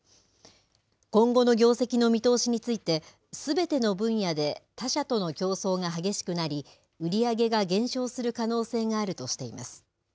今後の業績の見通しについて、すべての分野で他社との競争が激しくなり、売り上げが減少する可能性があるとしています。